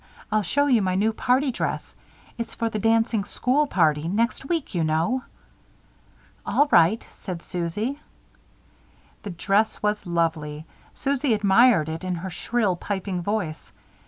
"I'll show you my new party dress. It's for the dancing school party; next week, you know." "All right," said Susie. The dress was lovely. Susie admired it in her shrill, piping voice.